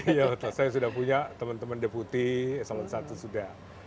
iya saya sudah punya teman teman deputi eselon i sudah